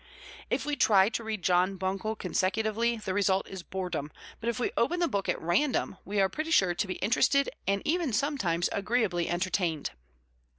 If we try to read John Buncle consecutively, the result is boredom; but if we open the book at random, we are pretty sure to be interested and even sometimes agreeably entertained.